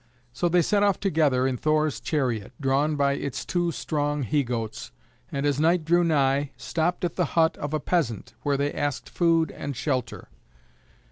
So they set off together in Thor's chariot, drawn by its two strong he goats, and as night drew nigh, stopped at the hut of a peasant, where they asked food and shelter.